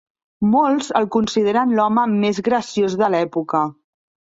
Molts el consideren l'home més graciós de l'època.